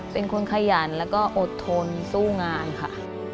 เป็นคนขยันแล้วก็อดทนสู้งานค่ะ